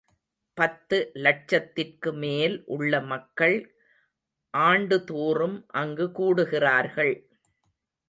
பத்து லட்சத்திற்கு மேல் உள்ள மக்கள் ஆண்டு தோறும் அங்கு கூடுகிறார்கள்.